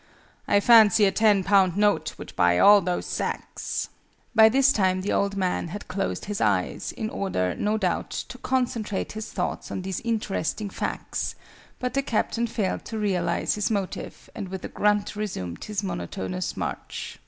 I fancy a ten pound note would buy all those sacks." By this time the old man had closed his eyes in order, no doubt, to concentrate his thoughts on these interesting facts; but the Captain failed to realise his motive, and with a grunt resumed his monotonous march.